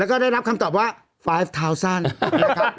แล้วก็ได้รับคำตอบว่า๕๐๐๐นะครับ